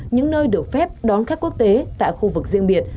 những nơi được phép đón khách quốc tế tại khu vực riêng biệt